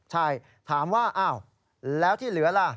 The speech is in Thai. ใช่ถามว่าแล้วที่เหลือละ